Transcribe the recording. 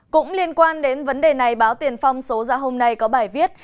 cũng liên quan đến vấn đề này báo tiền phong số ra hôm nay có bài viết